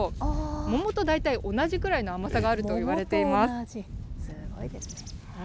桃と大体同じくらいの甘さがあるといわれています。